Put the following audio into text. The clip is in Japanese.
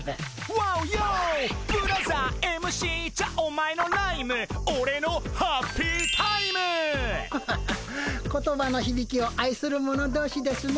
「ワォＹｏブラザーＭＣ茶お前のライムオレのハッピータイム」ハハハッ言葉のひびきをあいする者同士ですね。